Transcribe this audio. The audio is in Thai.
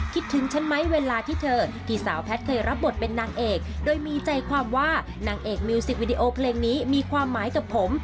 คิดถึงฉันไหมเวลาที่เธอที่สาวแพทย์เคยรับบทเป็นนางเอกโดยมีใจความว่านางเอกมิวสิกวิดีโอเพลงนี้มีความหมายกับผม